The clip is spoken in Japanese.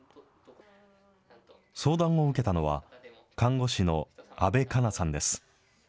相談を受けたのは、看護師の阿部花菜さんです。